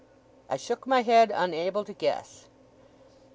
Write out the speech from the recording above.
I shook my head, unable to guess.